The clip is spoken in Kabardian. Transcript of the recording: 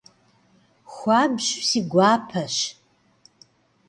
Xuabju si guapeş.